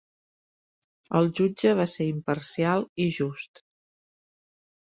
El jutge va ser imparcial i just.